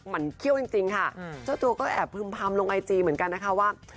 มันเขี้ยวจริงค่ะเจ้าตัวก็แอบพึ่มพำลงไอจีเหมือนกันนะคะว่า